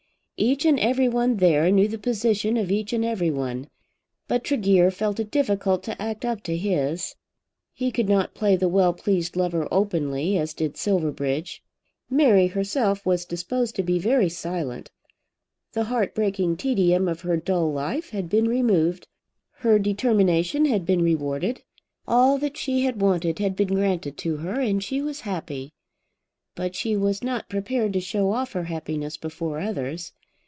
Each and everyone there knew the position of each and everyone; but Tregear felt it difficult to act up to his. He could not play the well pleased lover openly, as did Silverbridge. Mary herself was disposed to be very silent. The heart breaking tedium of her dull life had been removed. Her determination had been rewarded. All that she had wanted had been granted to her, and she was happy. But she was not prepared to show off her happiness before others.